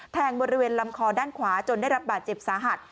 บริเวณลำคอด้านขวาจนได้รับบาดเจ็บสาหัส